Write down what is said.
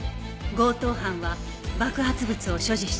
強盗犯は爆発物を所持していた